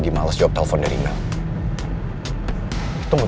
gak akan liat